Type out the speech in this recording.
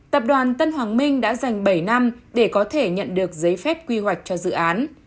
tập đoàn tân hoàng minh đã dành bảy năm để có thể nhận được giấy phép quy hoạch cho dự án